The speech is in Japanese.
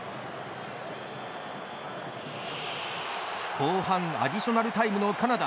後半アディショナルタイムのカナダ。